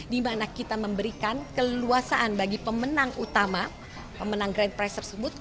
di mana kita memberikan keluasaan bagi pemenang utama pemenang grand prize tersebut